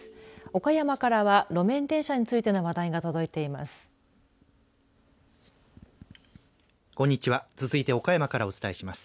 岡山からは路面電車についての話題が届いています。